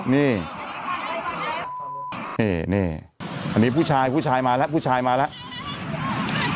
นี่นี่อันนี้ผู้ชายผู้ชายมาแล้วผู้ชายมาแล้ว